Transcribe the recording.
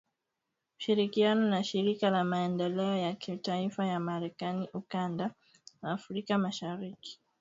ushirikiano na Shirika la Maendeleo ya Kimataifa la Marekani Ukanda wa Afrika Mashariki